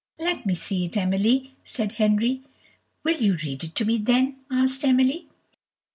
"Let me see it, Emily," said Henry. "Will you read it to me then?" asked Emily.